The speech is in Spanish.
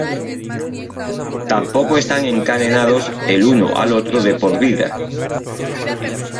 Tampoco están encadenados el uno al otro de por vida.